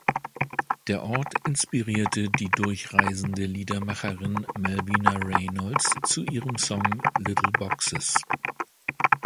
Der Ort inspirierte die durchreisende Liedermacherin Malvina Reynolds zu ihrem Song "Little Boxes".